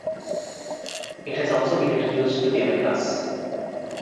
It has also been introduced to the Americas.